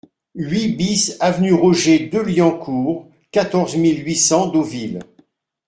huit BIS avenue Roger Deliencourt, quatorze mille huit cents Deauville